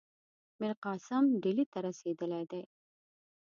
میرقاسم ډهلي ته رسېدلی دی.